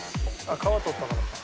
皮取ったからか。